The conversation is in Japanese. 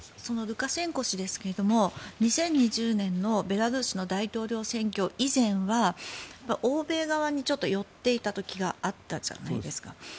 ルカシェンコ氏ですが２０２０年のベラルーシの大統領選挙以前は欧米側に寄っていた時があったじゃないですか。